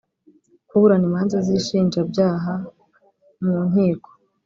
kuburana imanza z’inshinjabyaha mu nkiko